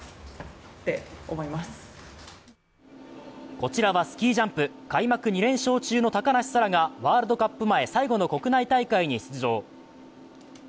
こちらはスキージャンプ、開幕２連勝中の高梨沙羅がワールドカップ前最後の国内大会に出場。